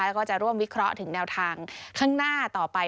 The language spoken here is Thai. แล้วก็จะร่วมวิเคราะห์ถึงแนวทางข้างหน้าต่อไป